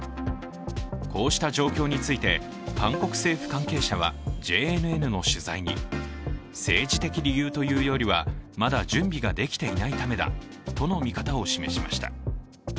こうした状況について、韓国政府関係者はＪＮＮの取材に政治的理由というよりは、まだ準備ができていないためだとの見方を示しました。